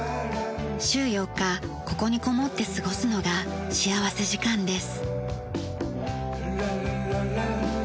週４日ここにこもって過ごすのが幸福時間です。